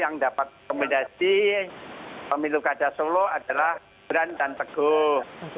yang dapat kompilasi pemilu kata solo adalah beran dan teguh